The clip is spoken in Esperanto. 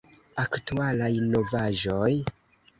Aktualaj novaĵoj!